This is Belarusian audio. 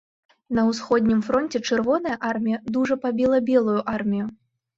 На ўсходнім фронце чырвоная армія дужа пабіла белую армію.